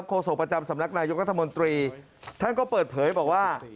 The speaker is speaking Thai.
โศกประจำสำนักนายกรัฐมนตรีท่านก็เปิดเผยบอกว่า